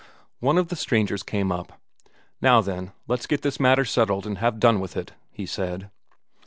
One of the strangers came up. "Now then, let's get this matter settled and have done with it," he said.